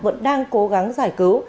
vẫn đang cố gắng giải cứu